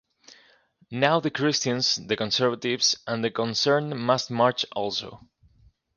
Now the Christians, the conservatives and the concerned must march also.